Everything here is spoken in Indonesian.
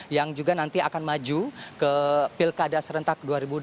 yang juga nanti akan maju ke pilkada serentak dua ribu dua puluh